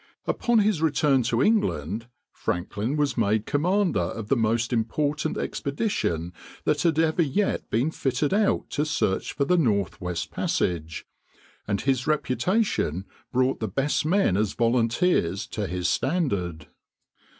Upon his return to England Franklin was made commander of the most important expedition that had ever yet been fitted out to search for the Northwest Passage, and his reputation brought the best men as volunteers to his standard.